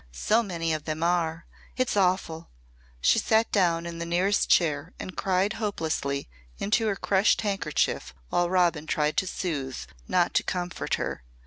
"So many of them are! It's awful!" And she sat down in the nearest chair and cried hopelessly into her crushed handkerchief while Robin tried to soothe not to comfort her.